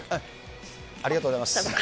ありがとうございます。